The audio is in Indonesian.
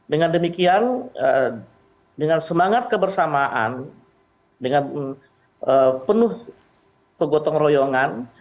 dengan demikian dengan semangat kebersamaan dengan penuh kegotong royongan